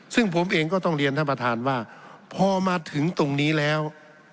ซึ่งผมเองก็ต้องเรียนท่านประธานว่าพอมาถึงตรงนี้แล้ว